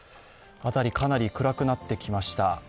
辺り、かなり暗くなってきました。